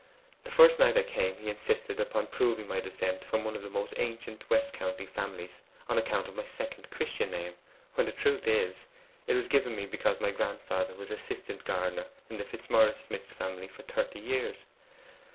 The first night I came, he insisted upon proving my descent from one of the most ancient west county families, on account of my second Christian name; when the truth is, it was given me because my grandfather was assistant gardener in the Fitzmaurice Smith family for thirty years.